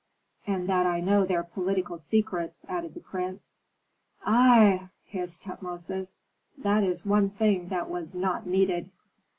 "And that I know their political secrets," added the prince. "Ei!" hissed Tutmosis. "That is the one thing that was not needed."